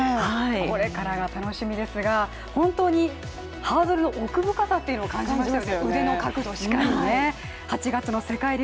これからが楽しみですが、本当にハードルの奥深さというのを感じましたよ。